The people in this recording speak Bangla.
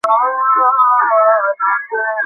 এটা তার গল্প।